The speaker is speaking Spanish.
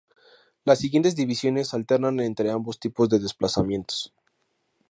Las siguientes divisiones alternan entre ambos tipos de desplazamientos.